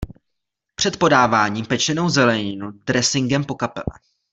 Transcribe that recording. Před podáváním pečenou zeleninu dresinkem pokapeme.